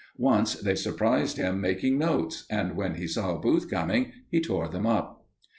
Once they surprised him making notes, and when he saw Booth coming, he tore them up.